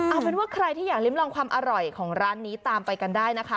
เอาเป็นว่าใครที่อยากลิ้มลองความอร่อยของร้านนี้ตามไปกันได้นะคะ